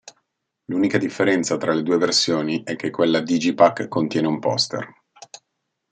L'unica differenza tra le due versioni è che quella Digipak contiene un poster.